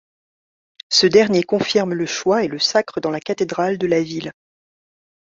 Ce dernier confirme le choix et le sacre dans la cathédrale de la ville.